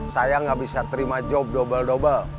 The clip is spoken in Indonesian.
saya gak bisa terima job dobel dobel